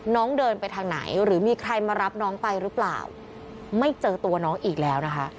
น้องเดินไปทางไหนหรือมีใครมารับน้องไปหรือเปล่าไม่เจอตัวน้องอีกแล้วนะคะ